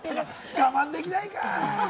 我慢できないか。